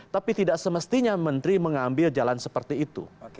tapi tidak semestinya menteri mengambil jalan seperti itu